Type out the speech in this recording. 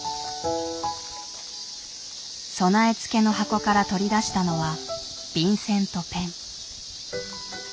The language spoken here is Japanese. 備え付けの箱から取り出したのは便箋とペン。